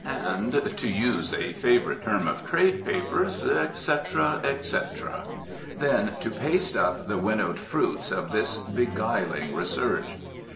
And, to use a favorite term of trade papers, "etc., etc." Then to "paste up" the winnowed fruits of this beguiling research.